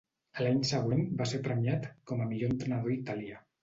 A l'any següent va ser premiat com a millor entrenador a Itàlia.